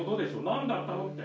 何だったのって」